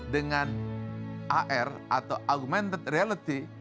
dengan ar atau augmented reality